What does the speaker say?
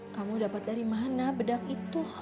kamu dapat dari mana bedak itu